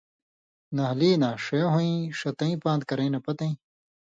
نھالی نا ݜے ہُویں ݜتَیں پان٘د کرَیں نہ پتَیں